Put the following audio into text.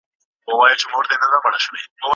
هر ځل برس د کارولو وروسته وچ کړئ.